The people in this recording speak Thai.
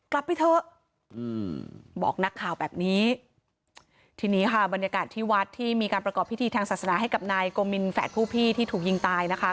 กลับไปเถอะอืมบอกนักข่าวแบบนี้ทีนี้ค่ะบรรยากาศที่วัดที่มีการประกอบพิธีทางศาสนาให้กับนายโกมินแฝดผู้พี่ที่ถูกยิงตายนะคะ